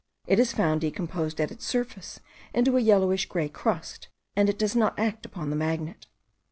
It is found decomposed at its surface into a yellowish grey crust, and it does not act upon the magnet.